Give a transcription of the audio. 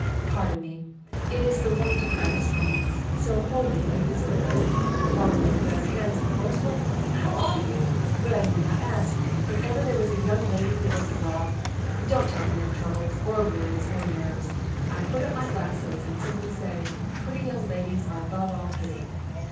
Pardon me! It is the want of practice only; so wholly have you deserted us. Fallen into better hands, of course. Well, how are you? But I need not ask. If ever there was a young lady who looked well don't tell me of troubles, or worries, or nerves I put up my glasses, and simply say, 'Pretty young ladies are above all pity!'